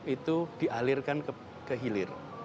itu dialirkan ke hilir